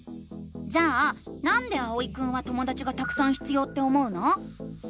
じゃあ「なんで」あおいくんはともだちがたくさん必要って思うの？